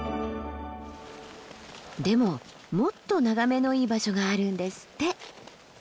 でももっと眺めのいい場所があるんですって。